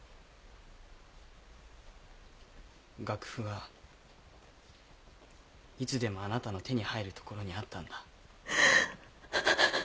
楽譜はいつでもあなたの手に入る所にあったんだ。